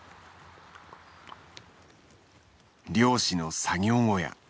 漁師の作業小屋。